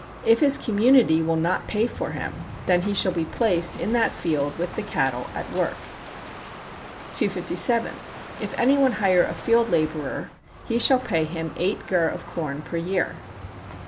If his community will not pay for him, then he shall be placed in that field with the cattle [at work]. 257. If any one hire a field laborer, he shall pay him eight gur of corn per year.